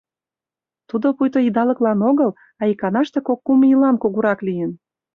Тудо пуйто идалыклан огыл, а иканаште кок-кум ийлан кугурак лийын.